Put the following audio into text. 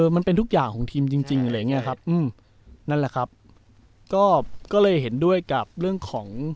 มันเป็นทุกอย่างของทีมจริงจริงอะไรอย่างเงี้ยครับอืมนั่นแหละครับก็เลยเห็นด้วยกับเรื่องของ